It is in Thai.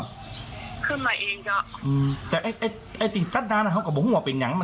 แต่จะเจอเมื่อไหร่จะถึงกลัวเป็นอะไร